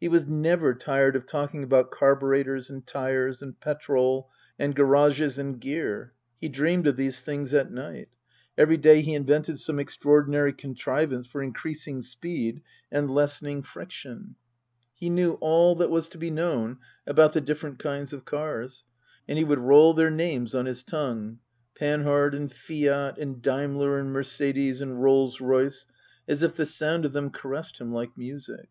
He was never tired of talking about carburetters, and tyres, and petrol, and garages and gear. He dreamed of these things at night. Every day he invented some extraordinary contrivance for increasing speed and lessening friction. 224 Tasker Jevons He knew all that was to be known about the different kinds of cars ; and he would roll their names on his tongue Panhard and Fiat and Daimler and Mercedes and Rolls Royce, as if the sound of them caressed him like music.